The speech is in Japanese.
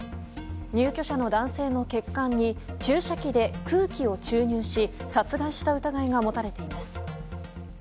入居者の男性の血管に注射器で空気を注入し殺害した疑いが持たれています。